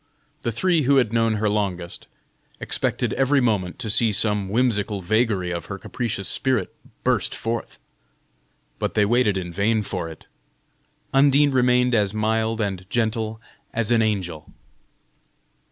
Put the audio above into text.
The three who had known her longest expected every moment to see some whimsical vagary of her capricious spirit burst forth. But they waited in vain for it. Undine remained as mild and gentle as an angel.